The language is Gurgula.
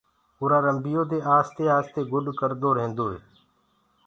اُرآ رنڀيو دي آستي آستي گُڏ ڪردو ريندوئي